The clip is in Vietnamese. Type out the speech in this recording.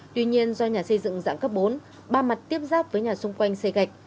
tuy nhiên do nhà xây dựng dạng cấp bốn ba mặt tiếp giáp với nhà xung quanh xe gạch